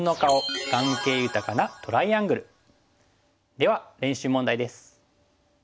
では練習問題です。